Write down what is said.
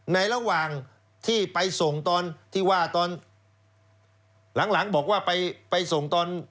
ระหว่างที่ไปส่งตอนที่ว่าตอนหลังบอกว่าไปส่งตอน